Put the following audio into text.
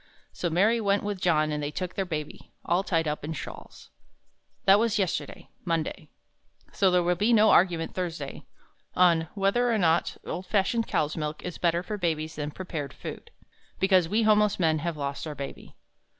So Mary went with John and they took their Baby, all tied up in shawls. That was yesterday Monday so there will be no argument Thursday on "Whether or not old fashioned cow's milk is better for babies than prepared foods." Because we homeless men have lost Our Baby.